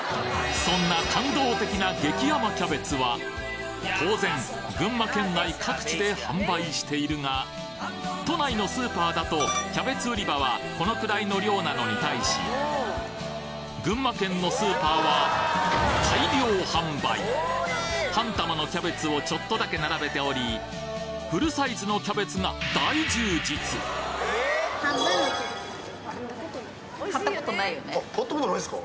そんな当然群馬県内各地で販売しているが都内のスーパーだとキャベツ売り場はこのくらいの量なのに対し大量販売半玉のキャベツをちょっとだけ並べておりフルサイズのキャベツが大充実買った事ないっすか？